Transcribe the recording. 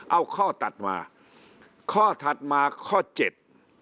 เอาข้อตัดมาข้อถัดมาข้อเจ็ด